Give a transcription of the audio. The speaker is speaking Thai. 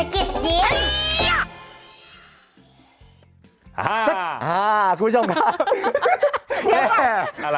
คุณผู้ชมครับ